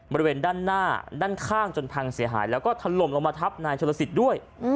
บริเวณด้านหน้าด้านข้างจนพังเสียหายแล้วก็ถล่มลงมาทับนายชนลสิทธิ์ด้วย